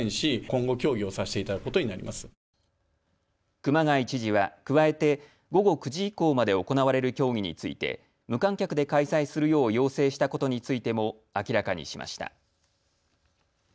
熊谷知事は加えて、午後９時以降まで行われる競技について無観客で開催するよう要請したことについても明らかにしました。